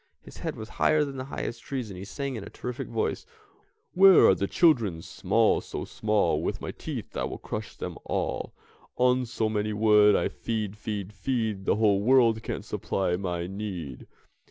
His head was higher than the highest trees, and he sang in a terrific voice: "Where are the children small, so small, With my teeth I will crush them all, On so many would I feed, feed, feed. The whole world can't supply my need."